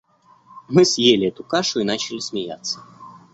Мы съели эту кашу и начали смеяться.